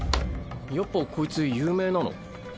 やっぱこいつ有名なの？